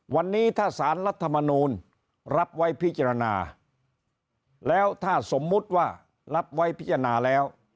วันนี้ถ้าสารรัฐมนูลรับไว้พิจารณาแล้วถ้าสมมุติว่ารับไว้พิจารณาแล้ว